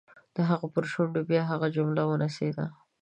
د هغه پر شونډو بیا هغه جمله ونڅېده.